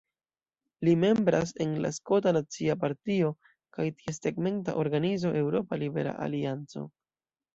Li membras en la Skota Nacia Partio kaj ties tegmenta organizo Eŭropa Libera Alianco.